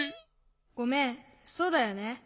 ごめんそうだよね。